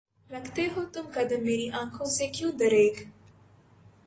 رکھتے ہو تم قدم میری آنکھوں سے کیوں دریغ؟